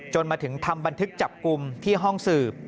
มาถึงทำบันทึกจับกลุ่มที่ห้องสืบ